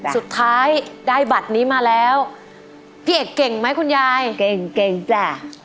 สุดท้ายได้บัตรนี้มาแล้วพี่เอกเก่งไหมคุณยายเก่งเก่งจ้ะ